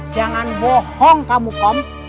jangan bohong kamu kom